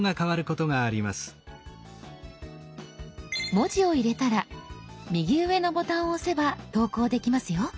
文字を入れたら右上のボタンを押せば投稿できますよ。